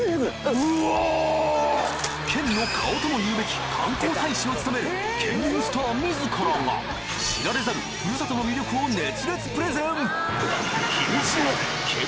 県の顔とも言うべき観光大使を務めるケンミンスター自らが知られざるふるさとの魅力を熱烈プレゼン！